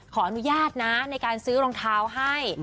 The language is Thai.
ขออนุญาตนะในการซื้อรองเท้าให้